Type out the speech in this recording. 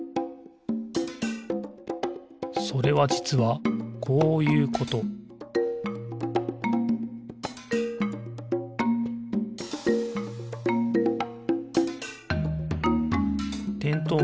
それはじつはこういうことてんとう